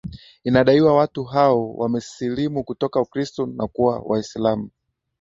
inadaiwa watu hao wamesilimu kutoka ukristu na kuwa waislamu